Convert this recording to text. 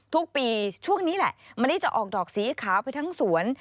ทุกปีช่วงนี้แหละมะลิจะออกดอกสีขาวไปทั้งสวน